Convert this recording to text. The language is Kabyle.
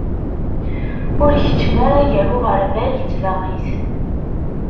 Ur keččem ara gar uɣerbal d tbaqit.